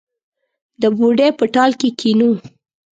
د بوډۍ په ټال کې کښېنو